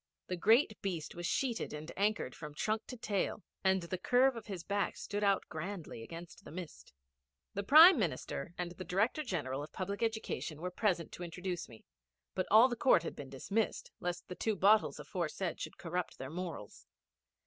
The great beast was sheeted and anchored from trunk to tail, and the curve of his back stood out grandly against the mist. The Prime Minister and the Director General of Public Education were present to introduce me, but all the court had been dismissed, lest the two bottles aforesaid should corrupt their morals.